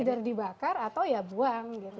either dibakar atau ya buang gitu